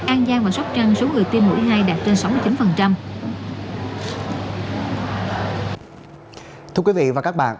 an giang và sóc trăng số người tiêm mũi hai đạt trên sáu mươi chín